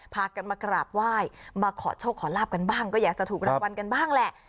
พากันมากราบไหว้มาขอโชคขอลาบกันบ้างก็อยากจะถูกรางวัลกันบ้างแหละ